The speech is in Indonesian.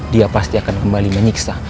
dia pasti akan kembali menyiksa